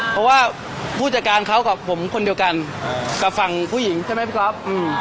เพราะว่าผู้จัดการเขากับผมคนเดียวกันกับฝั่งผู้หญิงใช่ไหมพี่ก๊อฟ